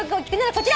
こちら。